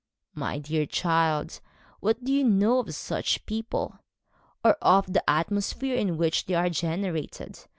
'My dear child, what do you know of such people or of the atmosphere in which they are generated?